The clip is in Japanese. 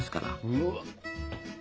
うわっ！